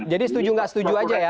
jadi setuju atau tidak setuju saja ya